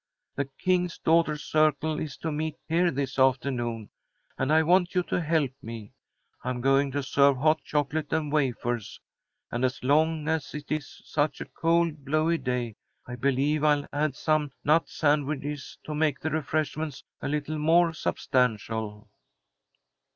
The King's Daughters' Circle is to meet here this afternoon, and I want you to help me. I'm going to serve hot chocolate and wafers, and, as long as it is such a cold, blowy day, I believe I'll add some nut sandwiches to make the refreshments a little more substantial."